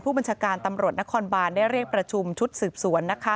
บัญชาการตำรวจนครบานได้เรียกประชุมชุดสืบสวน